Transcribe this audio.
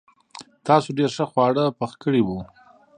تاسو ډېر ښه خواړه پخ کړي وو.